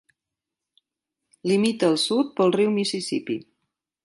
Limita al sud pel riu Mississippi.